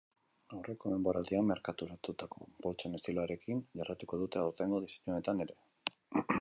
Aurreko denboraldian merkaturatutako poltsen estiloarekin jarraituko dute aurtengo diseinuetan ere.